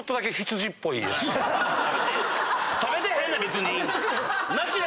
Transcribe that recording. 食べてへんねん別に。